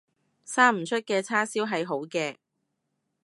生唔出嘅叉燒係好嘅